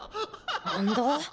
何だ？